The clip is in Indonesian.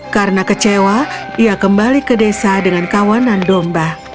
karena kecewa ia kembali ke desa dengan kawanan domba